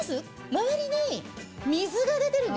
周りに水が出てるんですよ。